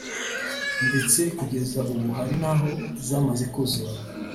ndetse kugeza ubu hari n’aho zamaze kuzura